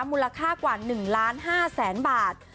มูลค่ากว่า๑๕๐๐๐๐บาท